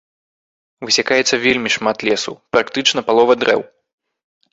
Высякаецца вельмі шмат лесу, практычна палова дрэў.